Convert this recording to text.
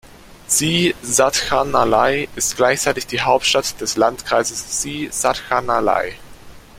Si Satchanalai ist gleichzeitig die Hauptstadt des Landkreises Si Satchanalai.